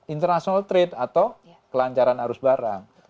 international trade atau kelancaran arus barang